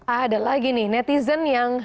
ada lagi nih netizen yang